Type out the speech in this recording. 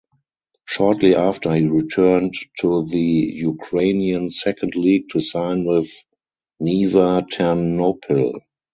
Shortly after he returned to the Ukrainian Second League to sign with Nyva Ternopil.